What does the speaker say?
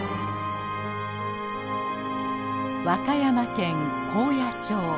和歌山県高野町。